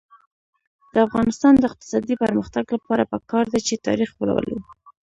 د افغانستان د اقتصادي پرمختګ لپاره پکار ده چې تاریخ ولولو.